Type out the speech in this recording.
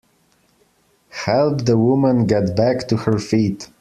Help the woman get back to her feet.